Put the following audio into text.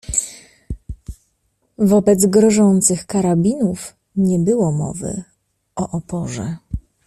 "Wobec grożących karabinów nie było mowy o oporze."